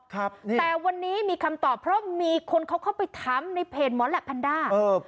แต่วันนี้มีคำตอบเพราะมีคนเขาเข้าไปถามในเพจหมอแหลปแพนด้าเออ